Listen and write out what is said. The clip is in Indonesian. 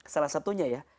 salah satunya ya